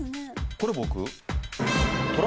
これ僕？